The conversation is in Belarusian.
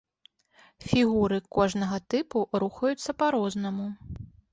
Фігуры кожнага тыпу рухаюцца па-рознаму.